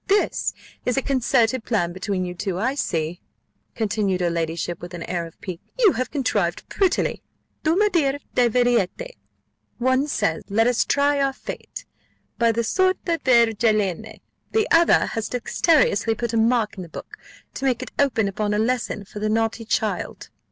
this is a concerted plan between you two, I see," continued her ladyship, with an air of pique: "you have contrived prettily de me dire des vérités! One says, 'Let us try our fate by the Sortes Virgilianae;' the other has dexterously put a mark in the book, to make it open upon a lesson for the naughty child."